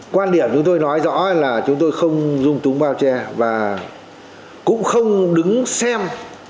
quan điểm chúng tôi nói rõ là chúng tôi không dung túng bao che và cũng không đứng xem